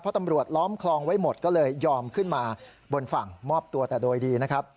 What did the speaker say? เพราะตำรวจล้อมคลองไว้หมดก็เลยยอมขึ้นมาบนฝั่งมอบตัวแต่โดยดีนะครับ